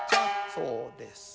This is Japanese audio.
そうです。